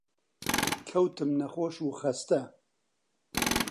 کەوتم نەخۆش و خەستە